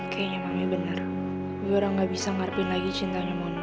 kayaknya mami bener gue udah gak bisa ngarepin lagi cintanya mondi